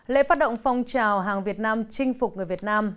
lễ phát động phong trào hàng việt nam chinh phục người việt nam